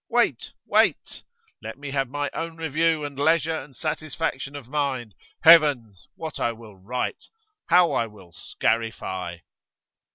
Wait! Wait! Let me have my own review, and leisure, and satisfaction of mind heavens! what I will write! How I will scarify!